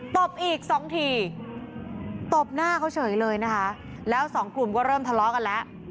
ตบอีกสองทีตบหน้าเขาเฉยเลยนะคะแล้วสองกลุ่มก็เริ่มทะเลาะกันแล้ว